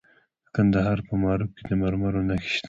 د کندهار په معروف کې د مرمرو نښې شته.